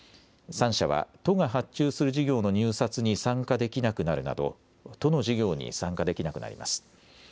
３社は都が発注する事業の入札に参加できなくなるなど、都の事業に参加できなくなります。